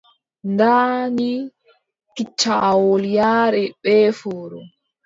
Ndaa ni kiccawol yaare bee fowru.